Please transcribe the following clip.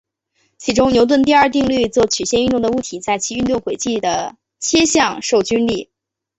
根据牛顿第二定律做曲线运动的物体在其运动轨迹的切向均受力。